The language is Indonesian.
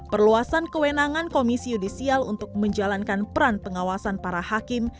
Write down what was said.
perluasan kewenangan komisi yudisial untuk menjalankan peran pengawasan para hakim